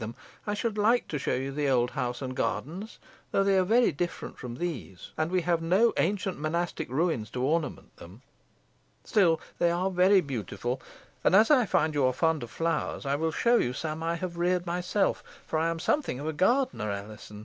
I should like to show you the old house and gardens, though they are very different from these, and we have no ancient monastic ruins to ornament them. Still, they are very beautiful; and, as I find you are fond of flowers, I will show you some I have reared myself, for I am something of a gardener, Alizon.